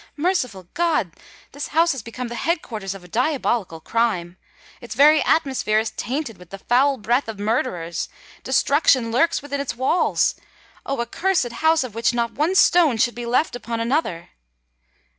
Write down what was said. Merciful God! this house has become the head quarters of diabolical crime: its very atmosphere is tainted with the foul breath of murderers;—destruction lurks within its walls. Oh! accursed house, of which not one stone should be left upon another!"